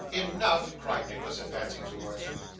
'Enough!' cried Nicholas, advancing towards him.